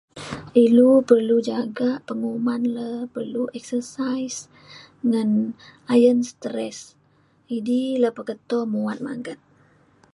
ilu perlu jagak penguman le perlu exercise ngan ayen stress. idi le peketo muat magat.